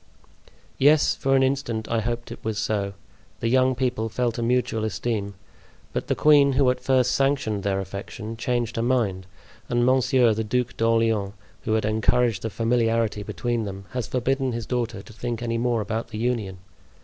"Yes, for an instant I hoped it was so. The young people felt a mutual esteem; but the queen, who at first sanctioned their affection, changed her mind, and Monsieur, the Duc d'Orleans, who had encouraged the familiarity between them, has forbidden his daughter to think any more about the union.